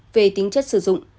về tính chất sử dụng